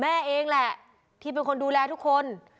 แม่เองแหละที่เป็นคนดูแลทุกคน